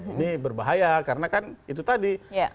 ini berbahaya karena kan itu tadi